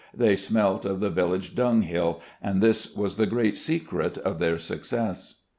They smelt of the village dunghill, and this was the great secret of their success.